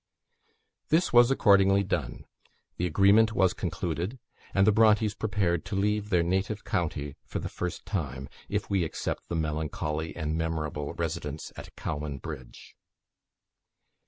This was accordingly done; the agreement was concluded, and the Brontes prepared to leave their native county for the first time, if we except the melancholy and memorable residence at Cowan Bridge.